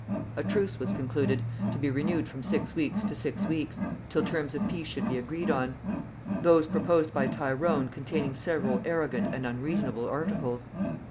A truce was concluded, to be renewed from six weeks to six weeks, till terms of peace should be agreed on; those proposed by Tyrone containing several arrogant and unreasonable articles.